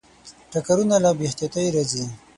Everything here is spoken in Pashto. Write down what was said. ټکرونه له بې احتیاطۍ راځي.